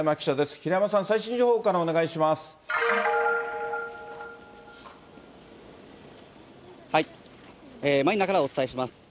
平山さん、最新情報からお願いしマニラからお伝えします。